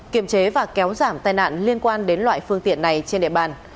kiểm chế và kéo giảm tai nạn liên quan đến loại phương tiện này trên địa bàn